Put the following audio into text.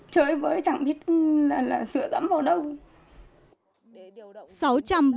chơi với chẳng biết là sửa dẫm vào đâu